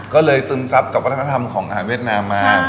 ก็เลยซึมซับกับวัฒนธรรมของอาหารเวียดนามมา